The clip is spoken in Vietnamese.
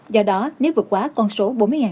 do đó nếu vượt quá con số bốn mươi năm trăm linh